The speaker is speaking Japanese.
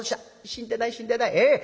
死んでない死んでない。